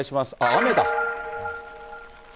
雨だ。